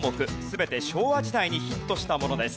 全て昭和時代にヒットしたものです。